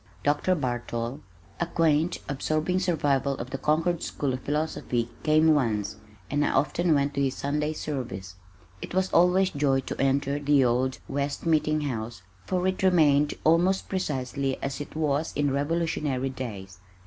Dr. Bartol, a quaint absorbing survival of the Concord School of Philosophy, came once, and I often went to his Sunday service. It was always joy to enter the old West Meeting House for it remained almost precisely as it was in Revolutionary days.